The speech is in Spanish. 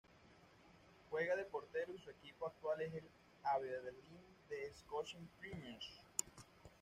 Juega de portero y su equipo actual es el Aberdeen de la Scottish Premiership.